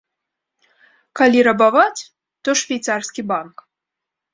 Калі рабаваць, то швейцарскі банк!